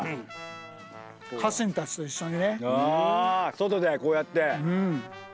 外でこうやって。